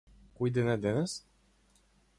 Кој ден е денес?